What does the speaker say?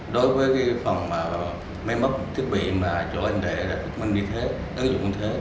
đối với cái phòng máy mất thiết bị mà chỗ anh để là ứng dụng như thế